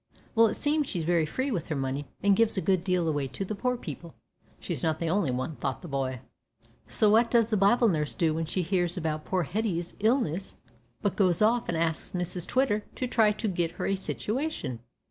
Well, it seems she's very free with her money and gives a good deal away to poor people." (She's not the only one, thought the boy.) "So what does the Bible nurse do when she hears about poor Hetty's illness but goes off and asks Mrs Twitter to try an' git her a situation."